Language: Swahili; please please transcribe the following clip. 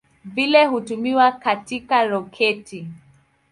Vile hutumiwa katika roketi.